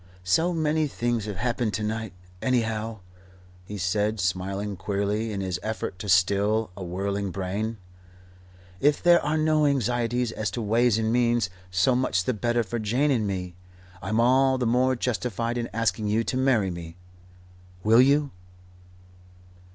"So many things have happened to night. Anyhow," he said, smiling queerly, in his effort to still a whirling brain, "if there are no anxieties as to ways and means, so much the better for Jane and me. I am all the more justified in asking you to marry me. Will you?"